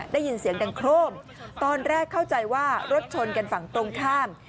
ได้ยินเสียงดังโครมตอนแรกเข้าใจว่ารถชนกันฝั่งตรงข้าม